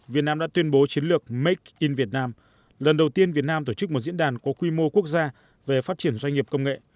việt nam đã tuyên bố chiến lược make in việt nam lần đầu tiên việt nam tổ chức một diễn đàn có quy mô quốc gia về phát triển doanh nghiệp công nghệ